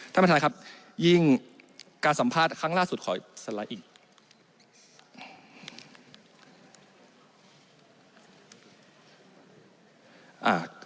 ท่านประธานครับยิ่งการสัมภาษณ์ครั้งล่าสุดขอสไลด์อีก